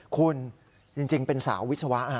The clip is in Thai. คุณจริงเป็นสาววิศวะ